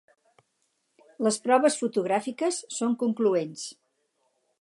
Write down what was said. Les proves fotogràfiques són concloents.